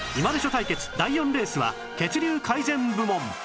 対決第４レースは血流改善部門